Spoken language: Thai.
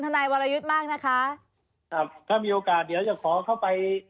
นายวรยุทธ์มากนะคะครับถ้ามีโอกาสเดี๋ยวจะขอเข้าไป